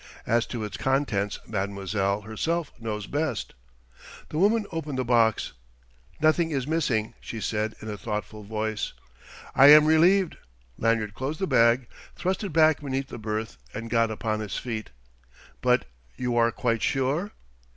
"As to its contents, mademoiselle herself knows best...." The woman opened the box. "Nothing is missing," she said in a thoughtful voice. "I am relieved." Lanyard closed the bag, thrust it back beneath the berth, and got upon his feet. "But you are quite sure